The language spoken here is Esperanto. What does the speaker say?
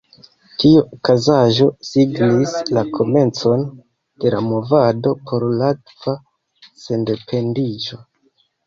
Tiu okazaĵo signis la komencon de la movado por latva sendependiĝo.